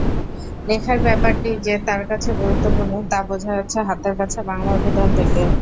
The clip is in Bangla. লেখার ব্যাপারটি যে তার কাছে গুরুত্বপূর্ণ তা বোঝা যাচ্ছে হাতের কাছে বাংলা অভিধান দেখে।